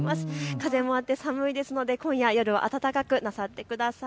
風もあって寒いですので今夜夜は暖かくなさってください。